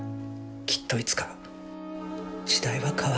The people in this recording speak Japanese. きっといつか時代は変わる。